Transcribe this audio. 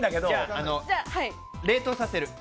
冷凍させる。